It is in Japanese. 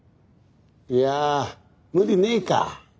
いや無理ねえか。